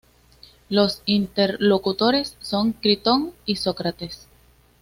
Los interlocutores son Critón y Sócrates.